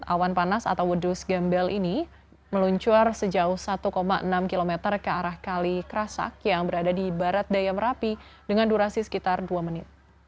awan panas atau wedus gembel ini meluncur sejauh satu enam km ke arah kalikrasak yang berada di barat daya merapi dengan durasi sekitar dua menit